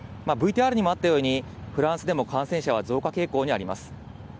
ＶＴＲにもあったように、フランスでも感染者は増加傾向にあります。